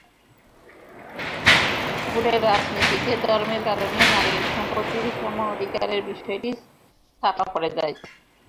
ভোটের রাজনীতিতে ধর্মের কারণে নারীর সম্পত্তির সম-অধিকারের বিষয়টি চাপা পড়ে যায়।